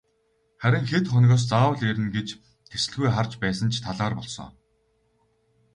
Харин хэд хоногоос заавал ирнэ гэж тэсэлгүй харж байсан ч талаар болсон.